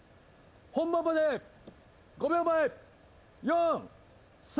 本番まで５秒前。